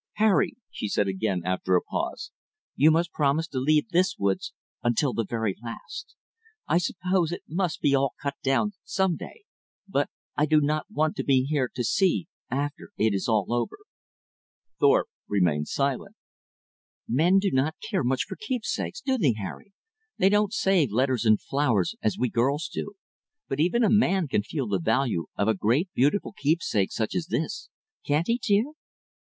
"Harry," she said again, after a pause, "you must promise to leave this woods until the very last. I suppose it must all be cut down some day, but I do not want to be here to see after it is all over." Thorpe remained silent. "Men do not care much for keepsakes, do they, Harry? they don't save letters and flowers as we girls do but even a man can feel the value of a great beautiful keepsake such as this, can't he, dear?